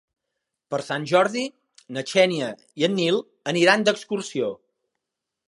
Per Sant Jordi na Xènia i en Nil aniran d'excursió.